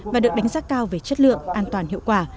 và được đánh giá cao về chất lượng an toàn hiệu quả